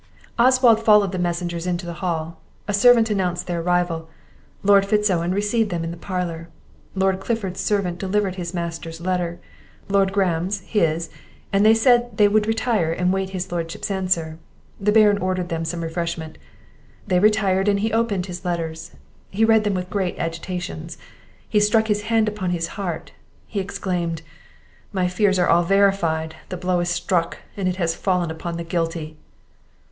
Oswald followed the messengers into the hall; a servant announced their arrival. Lord Fitz Owen received them in the parlour; Lord Clifford's servant delivered his master's letter, Lord Graham's his, and they said they would retire and wait his Lordship's answer. The Baron ordered them some refreshment. They retired, and he opened his letters. He read them with great agitations, he struck his hand upon his heart, he exclaimed, "My fears are all verified! the blow is struck, and it has fallen upon the guilty!"